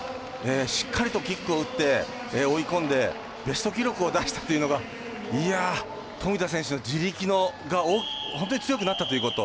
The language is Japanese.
しっかりとキックを打って追い込んでベスト記録を出したというのが富田選手の地力が本当に強くなったということ。